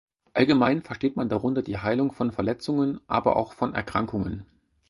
Allgemein versteht man darunter die Heilung von Verletzungen, aber auch von Erkrankungen.